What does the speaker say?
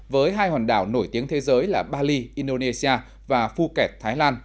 với hai hoàn đảo nổi tiếng thế giới là bali indonesia và phuket thái lan